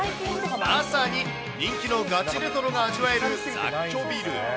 まさに人気のガチレトロが味わえる雑居ビル。